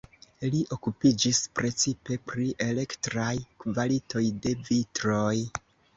Li okupiĝis precipe pri elektraj kvalitoj de vitroj.